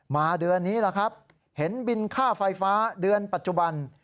เดือนนี้แหละครับเห็นบินค่าไฟฟ้าเดือนปัจจุบัน